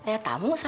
ya tamu sa